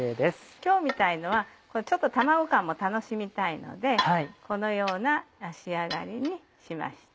今日みたいのはちょっと卵感も楽しみたいのでこのような仕上がりにしました。